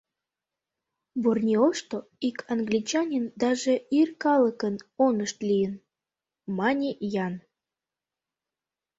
— Борнеошто ик англичанин даже ир калыкын онышт лийын, — мане Ян.